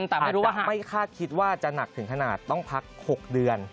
อาจจะไม่คาดคิดว่าจะหนักถึงขนาดต้องพัก๖เดือน